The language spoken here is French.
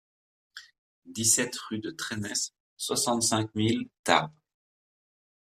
dix-sept rue de Traynès, soixante-cinq mille Tarbes